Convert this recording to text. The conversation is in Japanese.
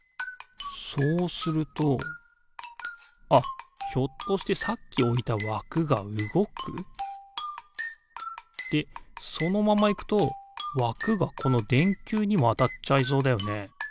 そうするとあっひょっとしてさっきおいたわくがうごく？でそのままいくとわくがこのでんきゅうにもあたっちゃいそうだよね。